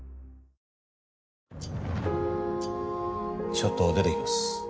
ちょっと出てきます。